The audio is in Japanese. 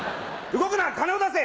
動くな金を出せ！